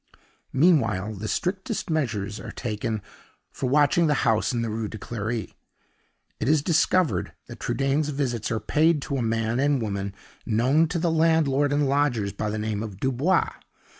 Meanwhile, the strictest measures are taken for watching the house in the Rue de Clery. It is discovered that Trudaine's visits are paid to a man and woman known to the landlord and lodgers by the name of Dubois.